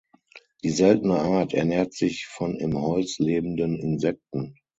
Die seltene Art ernährt sich von im Holz lebenden Insekten.